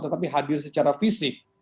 tetapi hadir secara fisik